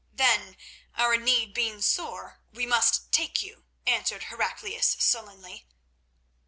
"Then, our need being sore, we must take you," answered Heraclius sullenly.